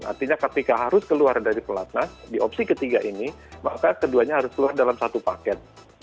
artinya ketika harus keluar dari pelatnas di opsi ketiga ini maka keduanya harus keluar dalam satu paket